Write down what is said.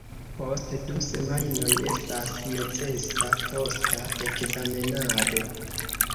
Post du semajnoj estas necesa posta ekzamenado.